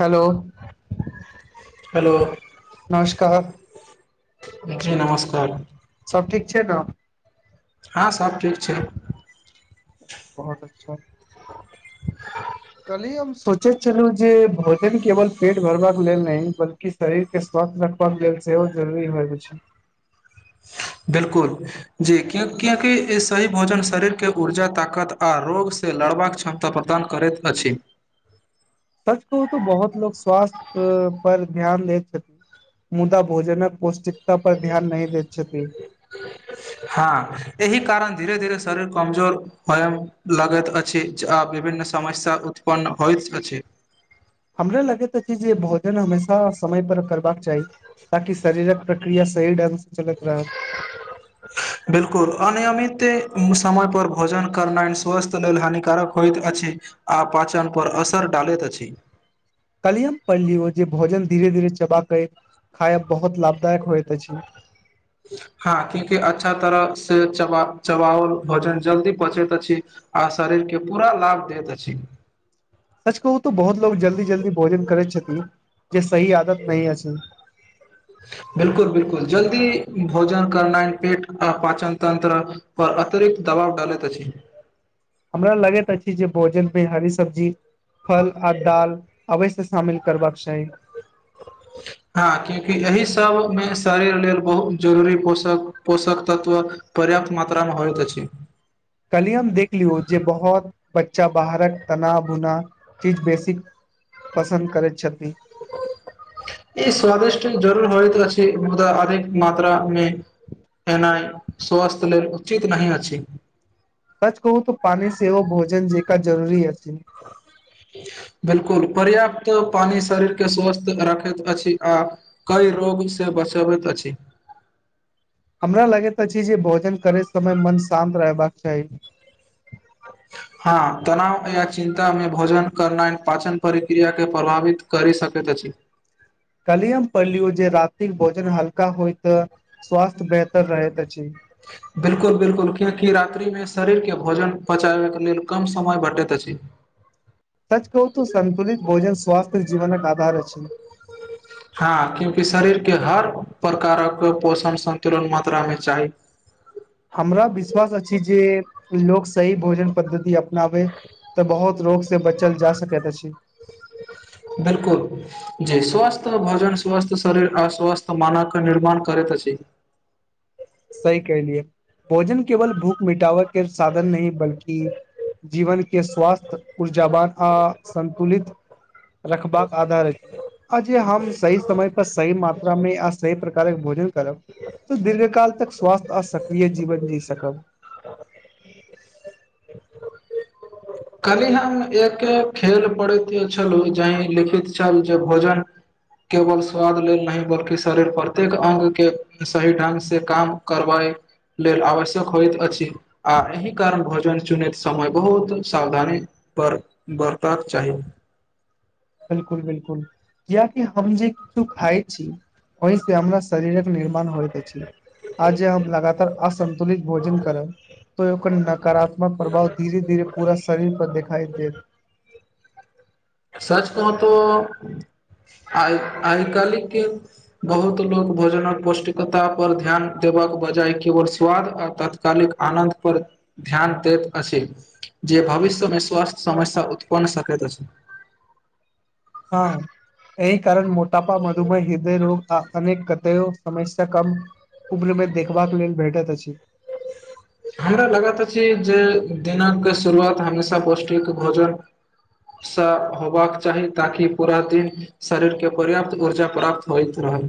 hello hello नमस्कार जी नमस्कार अ छै ने हँ सब ठीक छै बहुत अच्छा कली हम सोचे छलु जे भोजन केवल पेट भरबाक लेल न बल्कि शरीर के स्वास्थ ल छै जररी होइ छै बिलकुल जी क्याकि ई सही भोजन शरीरके ऊर्जा ताकत आओर रोग से लड़बाक क्षमता प्रदान करैत अछि सच कहू तऽ बहुत लोको स्वास्थ्य पर ध्यान लैत छथिन मुदा भोजनक पौष्टिकता पर ध्यान नहि दैत छथि हँ एहि कारण धीरे धीरे शरीर कमजोर होएमे लगैत अछि विभिन्न समस्या उत्पन्न होइइत छै हमराे लगैत अछि जे भोजन हमेशा समयपर करबाक चाही ताकि शरीरक प्रक्रिया सही ढंग से चलत रह बिलकुल अनियमित समय पर भोजन करनाइ स्वस्थ लेल हानिकारक होयत अछि आ पाचन पर असर डालैत छी कलियम पढ़ लियौ जे भोजन धीरे धीरे चबा के खायब बहुत लाभदायक होइत अछि हँ क्यूंकि अच्छा तरह से च चबओल भोजन जल्दी पहुचैत अछि आ शरीरके पूरा लाभ दैत अछि सच कहू तऽ बहुत लोग जल्दी जल्दी भोजन करै छथि जे सह आदत नहि अछि बिल्कुल बिल्कुल जल्दी भोजन करनाइ पेट आ पाचन तंत्र पर अतिरिक्त दबाव डालैत अछि हमरा लगैत अछि जे भोजनमे हरी सब्जी फल आ दाल अव्य हँ क्यूकि एहिह सबमे शरीर लेल बहुत जरूरी पोषक पोषक तत्व पर्याप्त मात्रामे होइत अछि कलि देख लियौ जे बहुत बच्चा बाहरक तना भुना चीज बेसिक पसन्द करैत छथिन ई स्वादिष्ट जरूर होइतऽ छै मुदा अधिक मात्रा मे एनाइ स्वस्थ लेल उचित नहि अछि सच कहू त पानि सेव भोजन जेका जरूरी अछि बिलकुल पर्याप्त पानि शरीर के स्वस्थ रखैत अछि आ कई रोग से बचबैत अछि हमरा लगैत अछि जे भोजन करैत समय मन शान्त रहबाक चाही हँ तनावमे या चिन्तामे भोजन करनाइ पाचन प्रक्रियाकेँ प्रभावित करि सकैत अछि कलिहम पढ़लिऔ जे रातिक भोजन हल्का होइ तऽ स्वास्थ बेहतर रह तऽची बिल्कुल बिल्कुल कियकि रात्रिमे शरीरके भोजन पचाबैके लेल कम समय भेटैत अछि सच कहू त सन्तुलित भोजन स्वास्थ्य जीवनक आधार अछि हँ क्यूंकि शरीर के हर प्रकारक पोषण संन्तुलन मात्रामे चाही हमरा विश्वास अछि जे लोक सही भोजन पद्धति अपनाबै तऽ बहुत रोगसँ बचल जा सकैत अछि बिलकुल जी स्वस्थ भोजन स्वस्थ शरीर आ स्वस्थ मानक निर्माण करय अछि सही कलिय भोजन केवल भूख मिटाव के साधन नहि बल्कि जीवन के स्वास्थय ऊर्जावान आ संन्तुलित रखबाक आधार अछि अ जे हम सहि समय पर सहि मात्रा मे य सही प्र भोजन करब दीर्घ काल तक स्वास्थ्य आ सक्रिय जीवन जी सकब कहली हम एक खेल पढ़ैत छलहुँ जहि लिखित छल जे भोजन केवल स्वाद लेल नहि बल्कि शरीर प्रत्येक अङ्ंग के सही ढ्ंग से काम करबाए लेल आवश्यक होइत अछि आ एहि कारण भोजन चुनैत समय बहुत सावधानी बर बरतबाक चाही बिलकुल बिलकुल कियकि हम जे किछु खाइ छी ओहि से हमरा शरीरक निर्माण होइत छीी आज हम लगातार असन्तुलित भोजन करब त ओकर नकारात्मक प्रभाव धीरे धीरे पूरा शरीर पर दिखाई देत सच कहो तो आइ आइ कालि के बहुत लोगों भोजनक पौष्टिकता पर ध्यान दे बजाय केवल स्वाद आ तात्कालिक आनन्द पर ध्यान दैत अछि जे भविष्यमे स्वस्थ्य समय उतपन्न सक छै हँ एहि कारण मोटापा मधुमेह हृदय रोग अनेक कतयो समस्य कम उम्रमे देखबाक लेल भेटैत अछि हमरा लगा तऽ अछि जे दिनक शुरुआत हमेशा पौष्टिक भोजन सँ होबाक चाही ताकि पूरा दिन शरीरके पर्याप्त ऊर्जा प्राप्त होइत रहय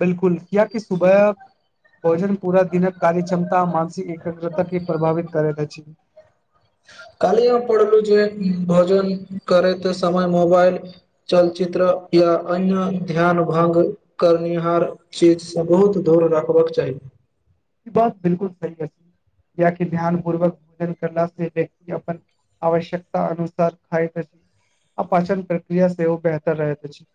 बिलकुल किया कि सुबह भोजन पूरा दिनक कार्य क्षमता मानसिक एकाग्रता के प्रभावित करैत अछि कालहि हम पढ़लु जे भोजन करैत समय मोबाइल चलचित्र या अन्य ध्यान भंग करनिहार चीज से बहुत दूर रखबाक चाही ई बात बिलकुल सहि अछि किया कि ध्यान पूर्वक भोजन करला से व्यक्ति अपन आवश्यकता अनुसार खायत अछी आ पाचन प्रक्रिया सेहो बेहतर रहत अछी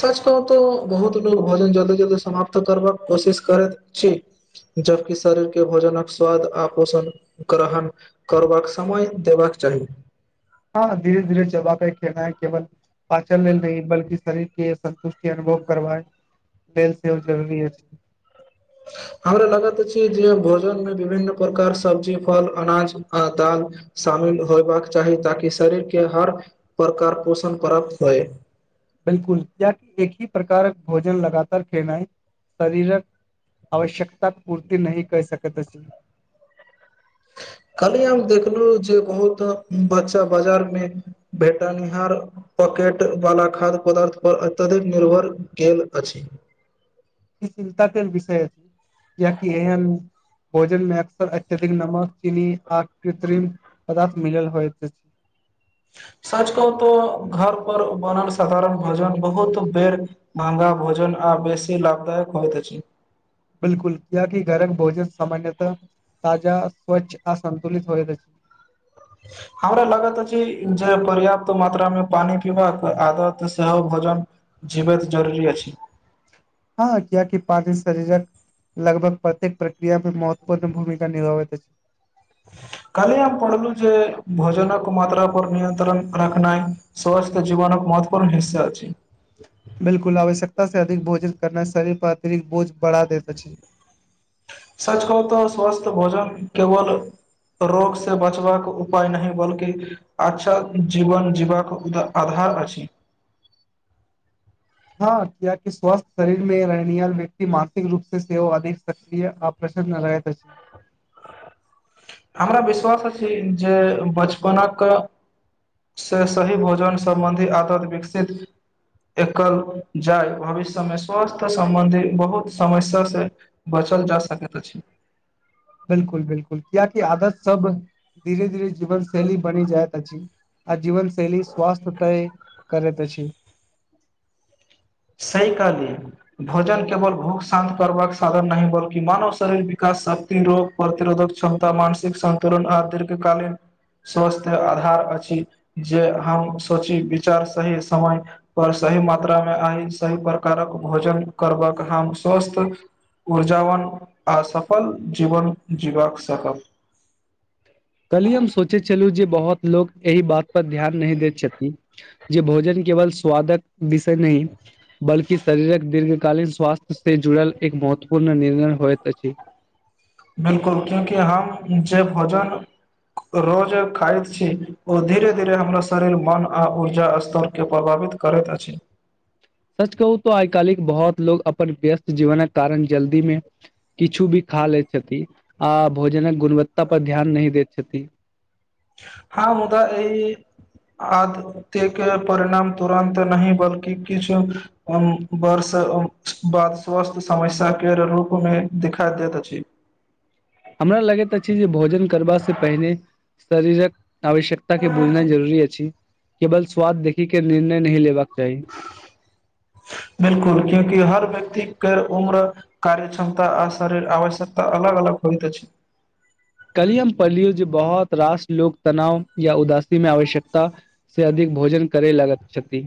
सच कहु तऽ बहुत लोग भोजन जल्दी-जल्दी समाप्त करबाक कोशिश करैत अछी जबकि शरीरके भोजनक स्वाद आ पोषण ग्रहण करबाक समय देबाक चाही हँ धीरे धीरे चबाके खेनाइ केवल पाचन लेल नहि बलकि शरीर के संन्तुष्टि अनुभव करवाए लेन सेहो जरूरी अछी हमरा लागत अछी जे भोजन में विभिन्न प्रकार सब्जी फल अनाज दाल शामिल होयबाक चाही ताकि शरीरके हर प्रकार पोषण करत ह बिलकुल कियाक एक ही प्रकार भोजन लगातार खेनाइ शरीरक आवश्यकता पूर्ति नहि कअ सकत अछि कहली हम देखलु जे बहुत बच्चा बाजार मे भेटनिहार पॉकेटवाला खाद्य पदार्थ पर अत्यधिक निर्भर भेल अछि इ चिन्ताके विषय यै कियाकी एहेन भोजन मे अक्सर अत्यधिक नमक चीनी आ कृत्रिम पदार्थ मिलल होइत अछि [inaudible] सझ कहु त घर पर बनल साधारण भोजन बहुत बेर महंगा भोजन आ बेसी लाभदायक होइत अछी बिलकुल कियाकि घरक भोजन सामान्यतः ताजा स्वच्छ आ सन्तुलित होइत अछी [inaudible] हमरा लागत अछी जे पर्याप्त मात्रा मे पानी पीबाक आदत सेहो भ जल जीबैत जरुरी अछि हँ कियाकि पानी शरीरक लगभग प्रत्येक प्रक्रिया मे महत्वपूर्ण भूमिका निभाबैत अछि काली हम पढ़लु जे भोजन क मात्रा पर नियंत्रण राखनाइ सहस्त जीवनक महत्वपूर्ण हिस्सा छै बिलकुल आवश्यकता से अधिक भोजन करना शरीर पर अतिरिक्त बोझ बढ़ा दैत अछि सच कहू तऽ स्वस्थ भोजन केवल रोग से बचबाक उपाय नहि बल्कि अच्छा जीवन जीवक आधार भार अछी [inaudible] हँ कियाकी [unintelligible] स्वस्थ शरीर मे रहनिहाराल व्यक्ति मानसिक रूप से सेव अधिक सक्रिय आ नहि रहै त अछी हमरा विश्वास अछि जे बचपनक से सही भोजन सम्बन्धी आदत विकसित एकल जाय भविष्य मे स्वास्थ्य सम्बन्धी बहुत समस्या से बच चल जा सकैत अछी [inaudible] बिलकुल बिलकुल किया की आदत सब धीरे धीरे जीवन शैली बनी जायत अछी आ जीवनशैली स्वस्थ्य तय करै त अछी सही कहलियै भोजन केवल भूख शान्त करबाक साधन नहि बल्कि मानव शरीर विकास शक्ति रोग प्रतिरोधक क्षमता मानसिक सन्तुलन आ दीर्घकालीन स्वस्थ आधार अछि जे हम सोची विचार सही समय कर सक सही मात्रा मे आ सही प्रकारक भोजन करबाक हम स्वस्थ ऊर्जावान आसफल जीवन जीवाक सकब [inaudible] कली हम सोचे छलु जे बहुत लोक एहि बात पर ध्यान नहि दैत छथि जे भोजन केवल स्वादक विषय नहि बल्कि शरीरक दीर्घ तत्कालीन स्वास्थ्य से जुड़ल एक महत्वपूर्ण निर्णय होइत अछि बिलकुल क्यूकि हम जेे भोजन रोज खाइत छी ओ धीरे धीरे हमरा शरीर मन आ ऊर्जा स्तर के प्रभाव करैत अछि [inaudible] सच कहू त आइ कालिक बहुत लोग अपन व्यस्त जीवनक कारण जल्दी मे किछु भी खा लै छथि आ भोजनक गुणवत्ता पर ध्यान नहि दैत छथि हँ मुदा ई आदत के परिणाम तुरन्त नहि बल्कि किछु बर्ष बाद स्वास्थ्य समस्या के रूप मे दिखा दैत अछि हमरा लगैत अछि जे भोजन करबा से पहिने शरीरक आवश्यकता के बुझना जरूरी अछि केवल स्वाद देखी के निर्णय नहि लेबाक चाही बिलकुल क्यूकि हर व्यक्ति के उम्र कार्य क्षमता आ शरीर आवश्यकता अलग अलग होइत अछी कलियम पलियौजै बहुत रास लोक तनाव या उदासी मे आवश्यकता से अधिक भोजन करै लागत छथि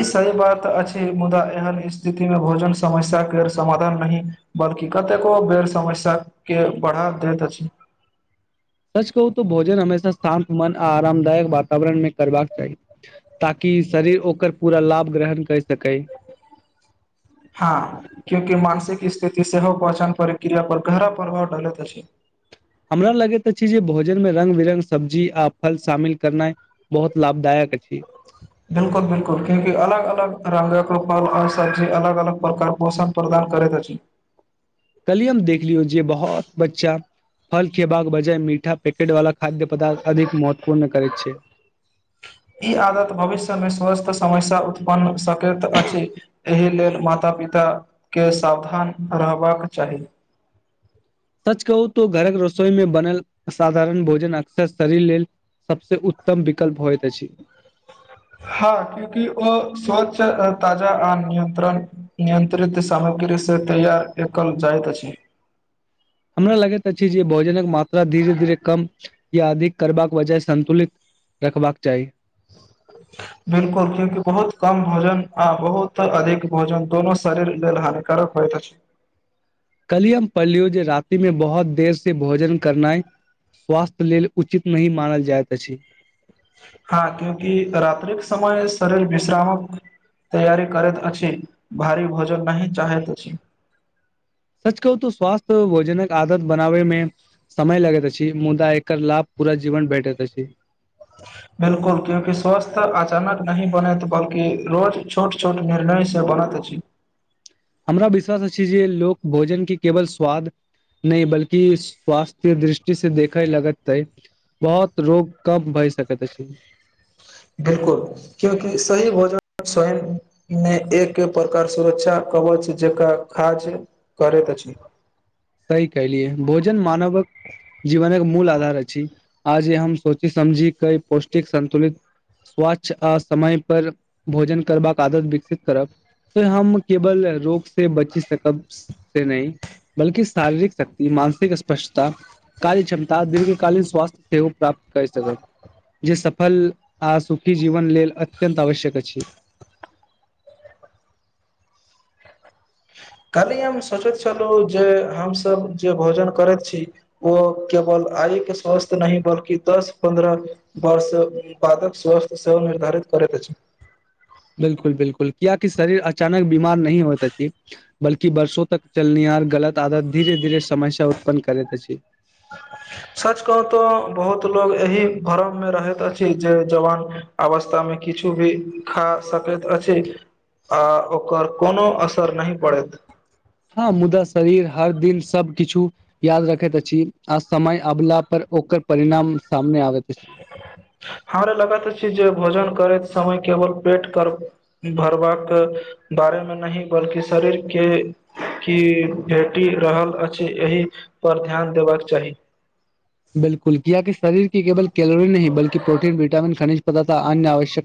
ई सही बात अछि मुदा एहन स्थिति मे भोजन समस्या के समाधान नहि बद कि कतेको बेर समस्या के बढ़ा दैत अछि [inaudible] सच कहू तो भोजन हमेशा शान्त मन आ आरामदायक वातावरणमे करबाक चाही ताकि शरीर ओकर पूरा लाभ ग्रहण कै सकै हँ क्यूकि मानसिक स्थिति सेहो पहचान परक्रिया पर गहरा प्रभाव डिलैत अछी हमरा लगैत अछि जे भोजन मे रङंग बिरंग सब्जी आ फल शामिल करनाइ बहुत लाभदायक क छी बिलकुल बिलकुल क्यंि अलग अलग रंग कृपालल आओ सब्जी अलग अलग प्रकार पोषण प्रदान करैत अछी [inaudible] कलि हम देखलियौ जे बहुत बच्चा फल खेबाक बजाय मीठा पैकेट वाला खाद्य पदार्थ अधिक महत्वपूर्ण करै छै ई आदत भविष्यमे स्वस्थ समस्या उत्पन्न सकैत अछि एहि लेल माता पिताके सावधान रहबाक चाही सच कहू तो घरक रसोई मे बनल असाधारण भोजन अक्सर शरीर लेल सबसे उत्तम विकल्प होइत अछि हँ क्युकि ओ स्वच्छ ताजा आ नंत्रण नियंत्रित साहब ओकरेसे तैयार एकल जाइत अछि हमरा लगैत अछि जे भोजनक मात्रा धीरे धीरे कम या अधिक करबाक वजह सन्तुलित रखबाक चाही बिलकुल क्यूंकि बहुत कम भोजन आ बहुत अधिक भोजन दोनो शरीर लेल हानिकारण होइत अछी कलियम पलियौजे राति में बहुत देर से भोजन करनाइ स्वास्थ्य लेल उचित नहि मानल जाइत अछि हँ क्यूंकि रात्रिक समय शरीर विश्रामक तैयारी करैत अछि भारी भोजन नहि चाहैत अछि सच कहू तो स्वासथ्य भोजनक आदत बनाबेमे समय लगैत अछि मुदा एकर लाभ पूरा जीवन भेटैत अछि बिलकुल क्यूंकी स्वास्थ अचानक नहिबनैत बल्कि रोज छोट छोट निर्णय से बनत अछि हमरा विश्वास अछि जे लोक भोजन के केवल स्वाद नहि बल्कि स्वास्थ्य दृष् कि से देखै लगैतै बहौत रोग कम भए सकैत अछि बिलकुल क्यूंकि सही भोजन स्वयंमे एक प्रकार सुरक्षा कवच जेका खाज करैत अछी सही कहलियए भोजन मानवक जीवनक मूल आधार अछि आज हम सोची समझी कई पौष्टिक संन्तुलित स्वच्छ आ समय पर भोजन करबाक आदत विकसित करब ते हम केवल रोग से बची सकब से नहि बल्कि शारीरिक शक्ति मानसिक स्पष्टता कारी क्षमता दीर्घ कालीन स्वासथ्य सेहो प्राप्त कैर सकब जे सफल आ सुखी जीवन लेल अत्यन्त आवश्यक अछि [inaudible] कलही हम सोचैत छलौ जे हमसब जे भोजन करैत छी ओ केवल आयके स्वस्थ नहि बल्कि दस पन्द्रह वर्ष बादक स्वस्थ सेहो निर्धारित करैत अछी [inaudible] बिलकुल बिलकुल कियाक शरीर अचानक बीमार नहि होत अछी बल्कि बर्षो तक चलनीया गलत आदत धीरे धीरे समय सँ उत्पन्न करैत अछि सच कहु तऽ बहुत लोग एहि भरम मे रहैत अछि जे जवान अवस्था मे किछु भी खा सकैत अछि आ ओकर कोनो असर नहि पड़त हँ मुदा शरीर हर दिन सबकिछु याद रखैत अछि आ समय अबला पर ओकर परिणाम सामने आबैत अछि हमरे लगैत अछी जे भोजन करैत समय केवल पेट कर भरबाक बारेमे नहि बल्कि शरीरके की भेटी रहल अछि एहि पर ध्यान देबाक चाही बिल्कुल किया की शरीरके केवल कैलोरी नहि बल्कि प्रोटीन विटामिन खनिज पदार्थ आअन्य आवश्यक